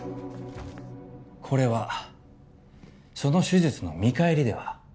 これはその手術の見返りでは？